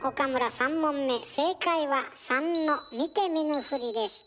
３問目正解は３の「見て見ぬふり」でした。